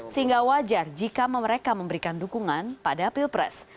sehingga wajar jika mereka memberikan dukungan pada pilpres